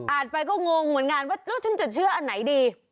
ไปก็งงเหมือนกันว่าฉันจะเชื่ออันไหนดี